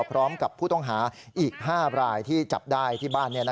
พร้อมกับผู้ต้องหาอีก๕รายที่จับได้ที่บ้าน